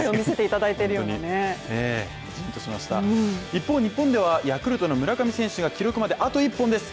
一方、日本ではヤクルトの村上選手が記録まであと１本です。